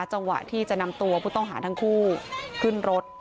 จังหวะที่จะนำตัวผู้ต้องหาทั้งคู่ขึ้นรถ